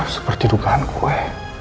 seperti dugaan kue